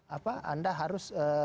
apa anda harus